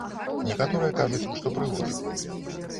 Некаторыя кажуць, што прыгожа.